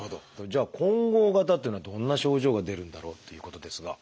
じゃあ混合型というのはどんな症状が出るんだろうっていうことですが。